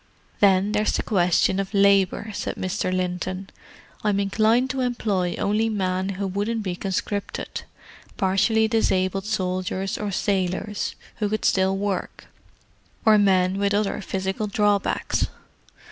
"Then there's the question of labour," said Mr. Linton. "I'm inclined to employ only men who wouldn't be conscripted: partially disabled soldiers or sailors who could still work, or men with other physical drawbacks.